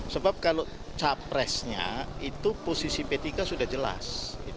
sebab kalau capresnya itu posisi p tiga sudah jelas